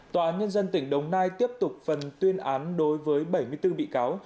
tòa án nhân dân tỉnh đồng nai tiếp tục phần tuyên án đối với bảy mươi bốn bị cáo